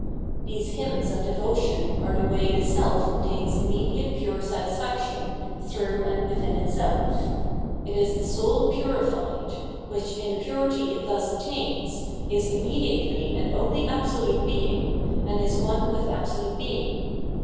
These hjrmns of devotion are the way the, self obtains immediate pure satisfaction through and within itself. It is the soul purified, which, in the 726 Phenomenology of Mini purity it ttus attaias, is immediately and only absolute Being, and is one with absolute Being.